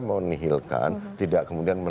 menihilkan tidak kemudian